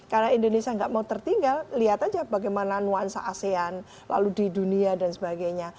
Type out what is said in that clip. karena indonesia nggak mau tertinggal lihat aja bagaimana nuansa asean lalu di dunia dan sebagainya